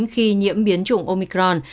khi nhiễm biến trụng omicron